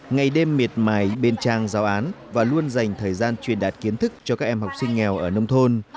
ngày đêm miệt mài bên trang giáo án và luôn dành thời gian truyền đạt kiến thức cho các em học sinh nghèo ở nông thôn